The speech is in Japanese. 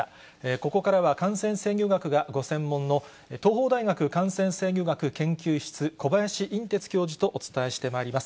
ここからは感染制御学がご専門の、東邦大学感染制御学研究室、小林寅てつ教授とお伝えしてまいります。